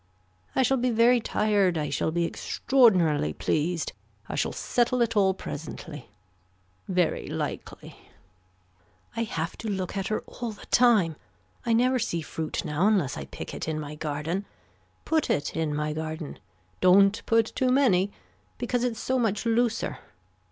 I shall be very tired I shall be extraordinarily pleased, I shall settle it all presently. Very likely. I have to look at her all the time. I never see fruit now unless I pick it in my garden. Put it in my garden. Don't put too many. Because it's so much looser.